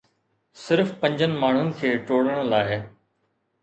صرف پنهنجن ماڻهن کي ٽوڙڻ لاء